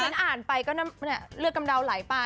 ฉันอ่านไปก็เลือดกำเดาไหลไป